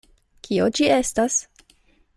Kio ĝi estas?